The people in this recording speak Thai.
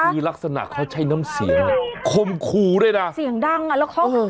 มีลักษณะเค้าใช่น้ำเสียงคมครูด้วยน่ะเสียงดังอ่ะแล้วเค้าเออ